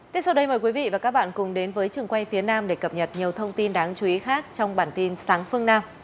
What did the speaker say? tiếp sau đây mời quý vị và các bạn cùng đến với trường quay phía nam để cập nhật nhiều thông tin đáng chú ý khác trong bản tin sáng phương nam